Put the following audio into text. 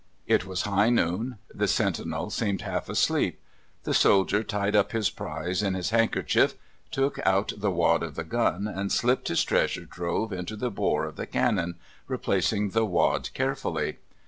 It was high noon; the sentinel seemed half asleep. The soldier tied up his prize in his handkerchief, took out the wad of the gun, and slipped his treasure trove into the bore of the cannon, replacing the wad carefully.